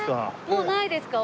もうないですか？